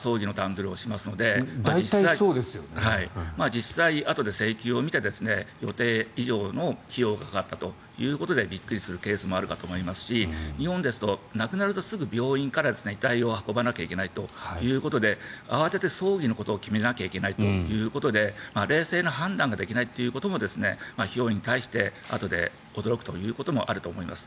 実際、あとで請求を見て予定以上の費用がかかったということでびっくりするケースもあるかと思いますし日本ですと、亡くなるとすぐ病院から遺体を運ばなければいけないということで慌てて葬儀のことを決めなきゃいけないということで冷静な判断ができないということも、費用に対してあとで驚くということもあると思います。